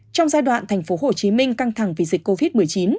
trong giai đoạn tp hcm căng thẳng vì dịch covid một mươi chín